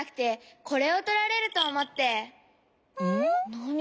なに？